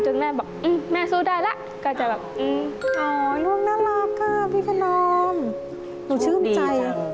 หนูชื่นใจโชคดีจัง